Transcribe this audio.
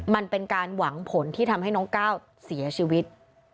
มันเป็นการหวังผลที่ทำให้น้องก้าวเสียชีวิต